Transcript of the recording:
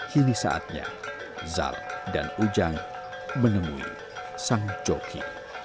kini saatnya zal dan ujang menemui sang joki